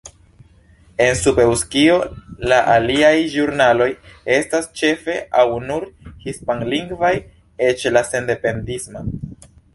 En Sud-Eŭskio, la aliaj ĵurnaloj estas ĉefe aŭ nur hispanlingvaj, eĉ la sendependisma.